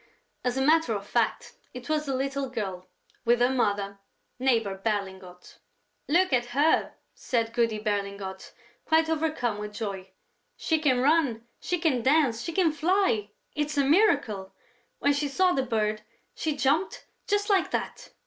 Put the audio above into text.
As a matter of fact, it was the little girl, with her mother, Neighbor Berlingot. "Look at her," said Goody Berlingot, quite overcome with joy. "She can run, she can dance, she can fly! It's a miracle! When she saw the bird, she jumped, just like that...."